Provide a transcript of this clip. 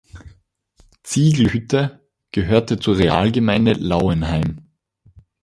Ziegelhütte gehörte zur Realgemeinde Lauenhain.